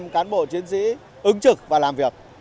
một trăm cán bộ chiến sĩ ứng trực và làm việc